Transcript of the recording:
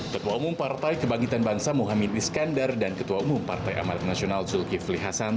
ketua umum partai kebangkitan bangsa muhammad iskandar dan ketua umum partai amanat nasional zulkifli hasan